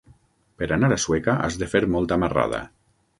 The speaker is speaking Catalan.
Per anar a Sueca has de fer molta marrada.